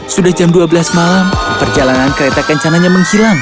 sudah jam dua belas malam perjalanan kereta kencananya menghilang